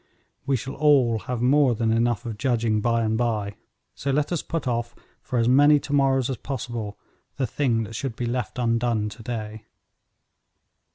We shall all have more than enough of judging by and by. So let us put off for as many to morrows as possible the thing that should be left undone to day.